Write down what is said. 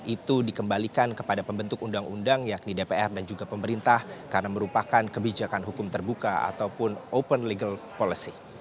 itu dikembalikan kepada pembentuk undang undang yakni dpr dan juga pemerintah karena merupakan kebijakan hukum terbuka ataupun open legal policy